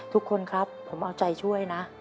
ทุกคนครับผมเอาใจช่วยนะ